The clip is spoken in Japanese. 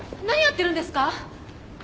何やってるんですか？